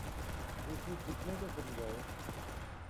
یہ سوٹ کتنے کا خریدا ہے؟